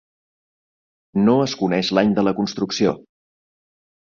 No es coneix l'any de la construcció.